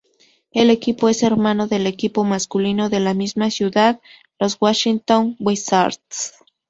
El equipo es "hermano" del equipo masculino de la misma ciudad, los Washington Wizards.